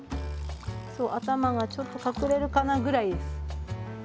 そう頭がちょっと隠れるかなぐらいです。